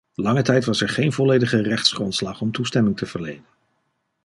Lange tijd was er geen volledige rechtsgrondslag om toestemming te verlenen.